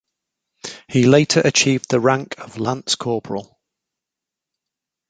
He later achieved the rank of lance corporal.